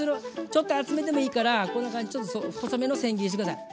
ちょっと厚めでもいいからこんな感じでちょっと細めのせん切りにして下さい。